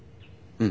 うん。